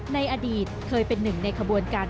ในอดีตเคยเป็นหนึ่งในขบวนการ